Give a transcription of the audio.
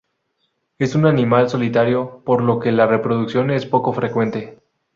Es un animal solitario, por lo que la reproducción es poco frecuente.